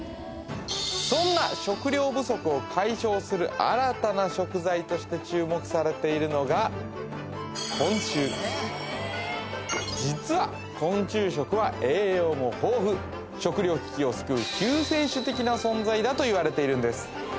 そんなとして注目されているのが実は昆虫食は栄養も豊富食料危機を救う救世主的な存在だといわれているんです